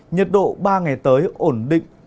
nhiệt độ ba ngày tới ổn định